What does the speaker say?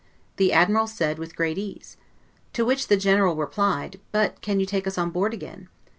The Admiral said, with great ease. To which the General replied, but can you take us on board again?